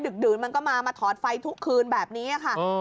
ดื่นมันก็มามาถอดไฟทุกคืนแบบนี้ค่ะ